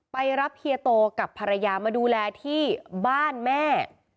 ไปรับเฮียโตกับภรรยามาดูแลที่บ้านแม่